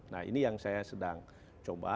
nah ini yang saya sedang coba